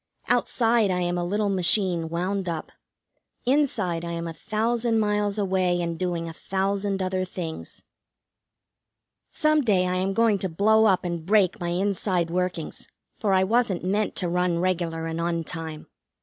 Outside I am a little machine wound up; inside I am a thousand miles away, and doing a thousand other things. Some day I am going to blow up and break my inside workings, for I wasn't meant to run regular and on time.